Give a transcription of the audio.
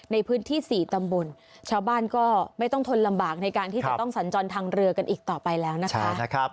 ในพื้นที่๔ตำบลชาวบ้านก็ไม่ต้องทนลำบากในการที่จะต้องสัญจรทางเรือกันอีกต่อไปแล้วนะคะ